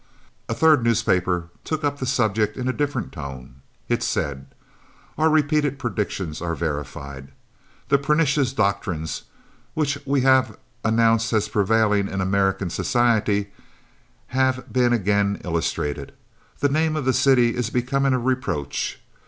A third newspaper took up the subject in a different tone. It said: Our repeated predictions are verified. The pernicious doctrines which we have announced as prevailing in American society have been again illustrated. The name of the city is becoming a reproach.